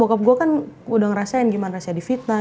bokap gue kan udah ngerasain gimana rasanya divitnah